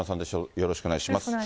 よろしくお願いします。